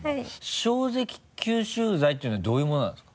衝撃吸収材っていうのはどういうものなんですか？